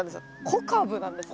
小カブなんですね。